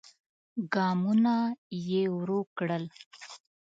ګامونه يې ورو کړل.